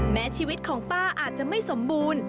แม้ชีวิตของป้าอาจจะไม่สมบูรณ์